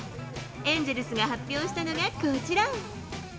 エンゼルスが発表したのがこちら。